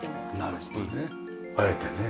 なるほどねあえてね。